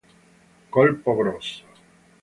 Colpo grosso